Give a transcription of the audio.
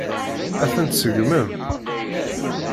Ad tent-tseggmem?